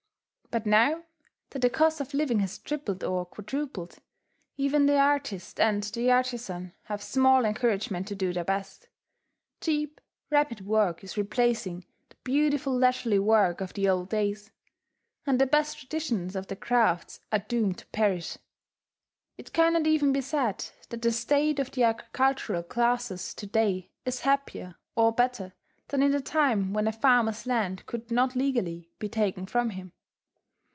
But now that the cost of living has tripled or quadrupled, even the artist and the artizan have small encouragement to do their best: cheap rapid work is replacing the beautiful leisurely work of the old days; and the best traditions of the crafts are doomed to perish. It cannot even be said that the state of the agricultural classes to day is happier or better than in the time when a farmer's land could not legally be taken from him.